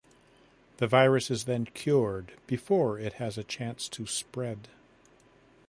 The virus is then cured before it has a chance to spread.